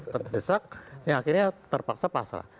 terdesak sehingga akhirnya terpaksa pasrah